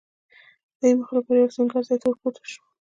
دې موخې لپاره یوه سینګار ځای ته ورپورته شوه.